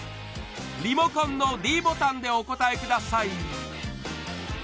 リモコンのｄボタンでお答えください